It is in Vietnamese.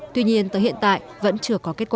tuy nhiên tới hiện tại vẫn chưa có kết quả